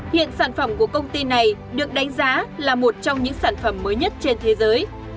hiện sản phẩm của công ty này được đánh giá là một trong những sản phẩm mới nhất trên thế giới